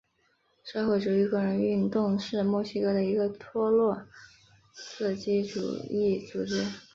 社会主义工人运动是墨西哥的一个托洛茨基主义组织。